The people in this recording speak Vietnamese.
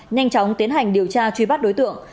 nhanh chóng tiến hành điều tra truy bắt đối tượng